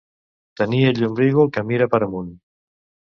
Tenir el llombrígol que mira per amunt.